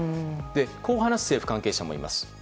こう話す政府関係者もいます。